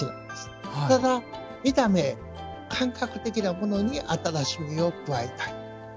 ただ見た目感覚的なものに新しみを加えたい。